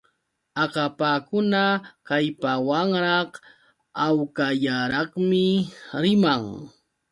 Akapakuna kallpawanraq hawkallaraqmi riman.